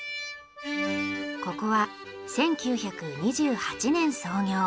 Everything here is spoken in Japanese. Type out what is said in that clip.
ここは１９２８年創業。